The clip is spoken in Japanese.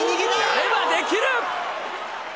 やればできる！